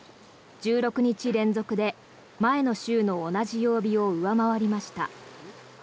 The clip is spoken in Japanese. １６日連続で前の週の同じ曜日を上回りました。